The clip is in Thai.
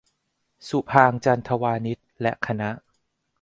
สุภางค์ จันทวานิช และคณะ